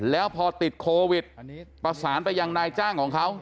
แล้วพอติดโควิดประสานไปยังนายจ้างของเขา